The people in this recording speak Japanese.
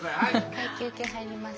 一回休憩入ります。